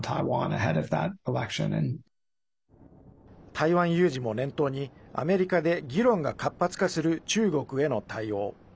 台湾有事も念頭にアメリカで、議論が活発化する中国への対応。